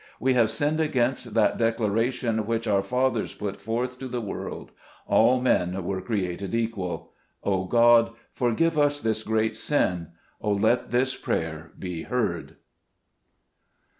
We have sinned against that declaration which our fathers put forth to the world, 'All men were cre ated equal.' Oh, God ! forgive us this great sin ! Oh, let this prayer be heard